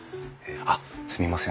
あっすみません